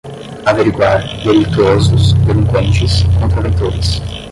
averiguar, delituosos, delinquentes, contraventores